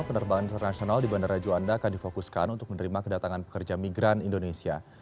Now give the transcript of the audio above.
penerbangan internasional di bandara juanda akan difokuskan untuk menerima kedatangan pekerja migran indonesia